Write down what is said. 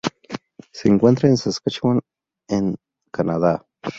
Se encuentra en Saskatchewan en Canadá.